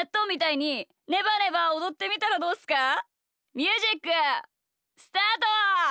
ミュージックスタート！